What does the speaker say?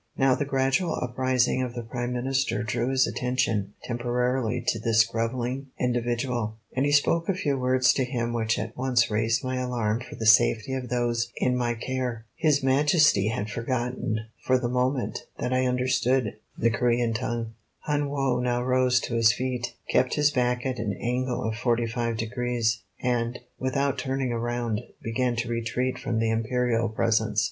Now the gradual uprising of the Prime Minister drew his attention temporarily to this grovelling individual, and he spoke a few words to him which at once raised my alarm for the safety of those in my care. His Majesty had evidently forgotten for the moment that I understood the Corean tongue. Hun Woe now rose to his feet, kept his back at an angle of forty five degrees, and, without turning around, began to retreat from the Imperial presence.